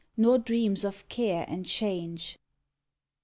Nor dreams of care and change.